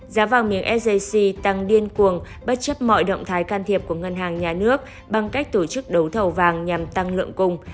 giá vàng miếng sjc tăng điên cuồng bất chấp mọi động thái can thiệp của ngân hàng nhà nước bằng cách tổ chức đấu thầu vàng nhằm tăng lượng cung